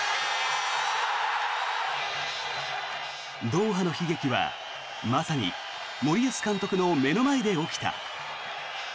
ドーハの悲劇はまさに森保監督の目の前で起きた。